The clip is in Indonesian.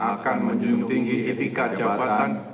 akan menjunjung tinggi etika jabatan